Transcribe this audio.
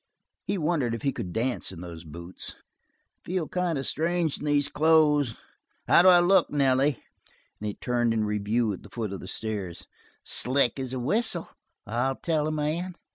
He wondered if he could dance in those boots. "Feel kind of strange in these clothes. How do I look, Nelly?" And he turned in review at the foot of the stairs. "Slick as a whistle, I'll tell a man."